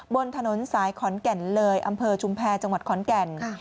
บนถนนสายขอนแก่นเลยอำเภอชุมแพรจังหวัดขอนแก่น